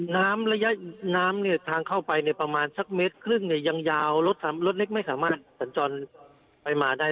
น้ำทางเข้าไปประมาณสักเมตรครึ่งเนี่ยยังยาวรถเล็กไม่สามารถสันจรไปมาได้